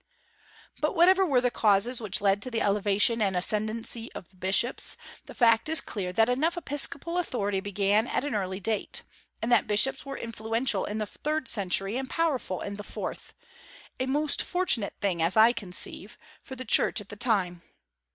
But whatever were the causes which led to the elevation and ascendency of bishops, the fact is clear enough that episcopal authority began at an early date; and that bishops were influential in the third century and powerful in the fourth, a most fortunate thing, as I conceive, for the Church at that time.